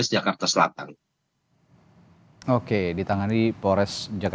sampai sekarang itu tidak percaya